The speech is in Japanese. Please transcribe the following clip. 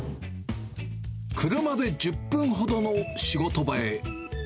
車で１０分ほどの仕事場へ。